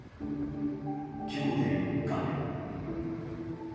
今日で４日目。